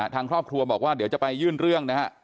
ทางครอบครัวบอกว่าเดี๋ยวจะไปยื่นเรื่องนะฮะ